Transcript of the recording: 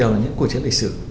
đều là những cuộc chiến lịch sử